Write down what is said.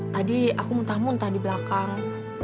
tadi aku muntah muntah di belakang